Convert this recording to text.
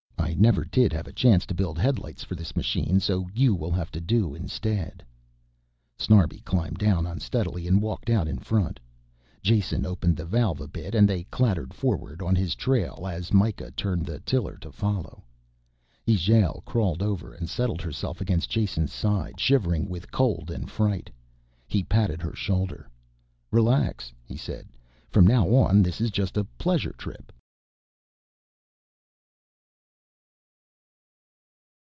I never did have a chance to build headlights for this machine so you will have to do instead." Snarbi climbed down unsteadily and walked out in front. Jason opened the valve a bit and they clattered forward on his trail as Mikah turned the tiller to follow. Ijale crawled over and settled herself against Jason's side, shivering with cold and fright. He patted her shoulder. "Relax," he said, "from now on this is just a pleasure trip."